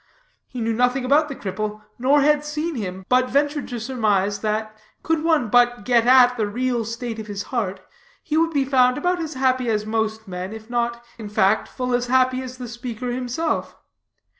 He knew nothing about the cripple, nor had seen him, but ventured to surmise that, could one but get at the real state of his heart, he would be found about as happy as most men, if not, in fact, full as happy as the speaker himself.